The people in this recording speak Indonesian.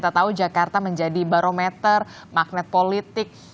kita tahu jakarta menjadi barometer magnet politik